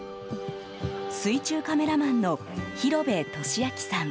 水中カメラマンの広部俊明さん。